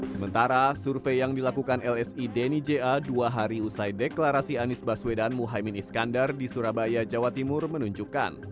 sementara survei yang dilakukan lsi denny ja dua hari usai deklarasi anies baswedan muhaymin iskandar di surabaya jawa timur menunjukkan